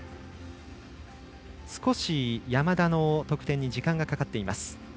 少し山田の得点に時間がかかっています。